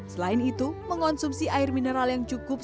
selain itu mengonsumsi air mineral yang cukup